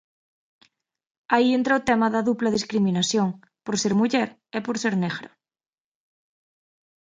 Aí entra o tema da dupla discriminación: por ser muller e por ser negra.